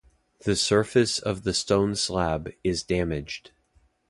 The surface of the stone slab is damaged.